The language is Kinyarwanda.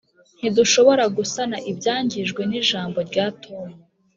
ntidushobora gusana ibyangijwe nijambo rya tom